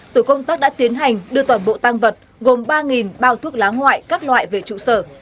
tổ công tác đã tiến hành đưa toàn bộ tăng vật gồm ba bao thuốc lá ngoại các loại về trụ sở